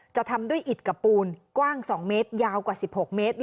จะทำด้วยอิดกับปูนกว้าง๒เมตรยาวกว่า๑๖เมตร